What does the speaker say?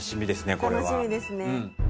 これは楽しみですね